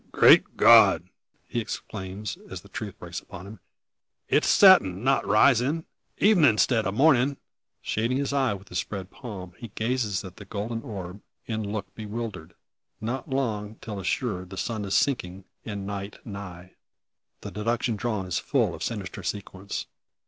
"Great God!" he exclaims, as the truth breaks upon him. "It's setting, not rising; evening 'stead of morning!" Shading his eye with spread palm, he gazes at the golden orb, in look bewildered. Not long, till assured, the sun is sinking, and night nigh. The deduction drawn is full of sinister sequence.